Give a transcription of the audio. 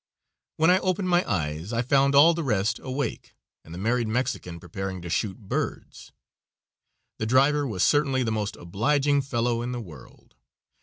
When I opened my eyes I found all the rest awake and the married Mexican preparing to shoot birds. The driver was certainly the most obliging fellow in the world.